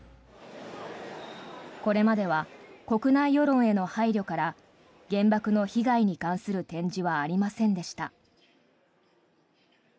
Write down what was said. これまでは国内世論への配慮から原爆の被害に関する展示はありませんでした。